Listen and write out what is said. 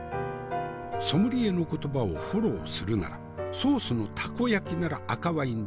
ソムリエの言葉をフォローするならソースのたこ焼きなら赤ワインでもよし。